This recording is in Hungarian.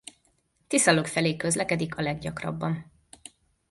Tiszalök felé közlekedik a leggyakrabban.